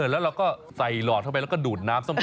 แล้วเราก็ใส่หลอดเข้าไปแล้วก็ดูดน้ำส้ม